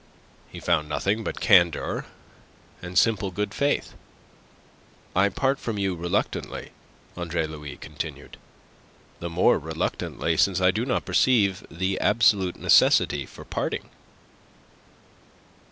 He found nothing but candour and simple good faith. "I part from you reluctantly," Andre Louis continued. "The more reluctantly since I do not perceive the absolute necessity for parting."